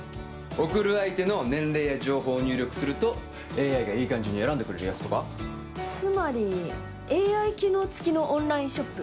贈る相手の年齢や情報を入力するとＡＩがいい感じに選んでくれるやつとかつまりＡＩ機能つきのオンラインショップ